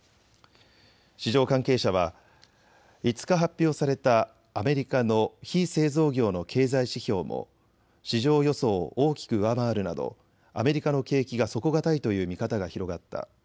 市場関係者は５日発表されたアメリカの非製造業の経済指標も市場予想を大きく上回るなどアメリカの景気が底堅いという見方が広がった。